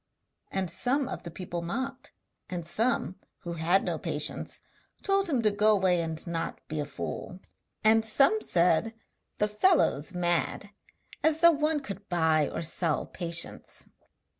And some of the people mocked, and some (who had no patience) told him to go away and not be a fool; and some said: 'The fellow's mad! As though one could buy or sell patience!'